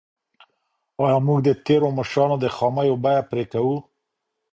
ایا موږ د تېرو مشرانو د خامیو بیه پرې کوو؟